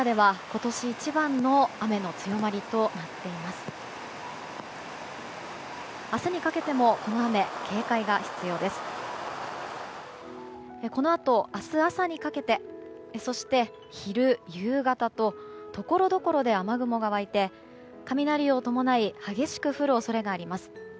このあと明日朝にかけてそして昼、夕方とところどころで雨雲が湧いて雷を伴い激しく降る恐れがあります。